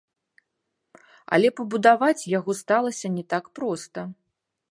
Але пабудаваць яго сталася не так проста.